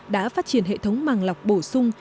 đã phát triển hệ thống màng lọc bổ sung